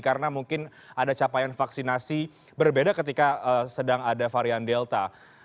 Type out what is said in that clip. karena mungkin ada capaian vaksinasi berbeda ketika sedang ada varian delta